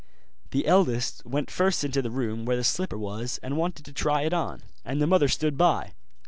The eldest went first into the room where the slipper was, and wanted to try it on, and the mother stood by.